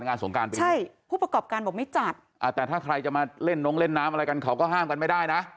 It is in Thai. น้องเล่นน้ำอะไรกันเขาก็ห้ามกันไม่ได้นะ